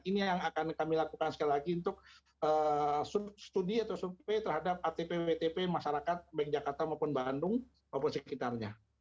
ini yang akan kami lakukan sekali lagi untuk studi atau survei terhadap atp wtp masyarakat baik jakarta maupun bandung maupun sekitarnya